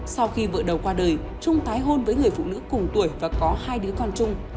sau khi vợ đầu qua đời trung tá hôn với người phụ nữ cùng tuổi và có hai đứa con chung